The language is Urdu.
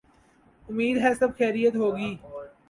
امید ہے سب خیریت ہو گی۔